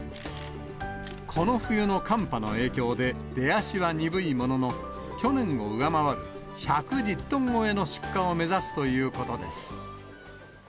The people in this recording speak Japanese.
この冬の寒波の影響で、出足は鈍いものの、去年を上回る１１０トン超えの出荷を目指すということです。